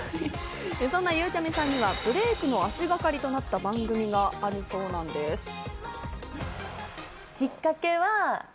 そんなゆうちゃみさんにはブレイクの足がかりとなった番組があるそうなんです。